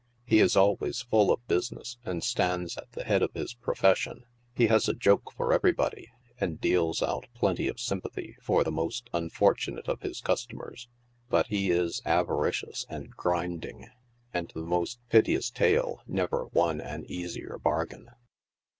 He is always full of business, and stands at the head of his profession. He has a joke for everybody, and deals out plenty of sympathy for the most unfortunate of his customers ; but he is avaricious and grinding, and the most piteous tale never won an easier bargain.